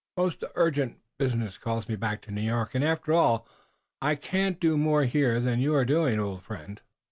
Most urgent business calls me back to New York, and, after all, I can't do more here than you are doing, old friend."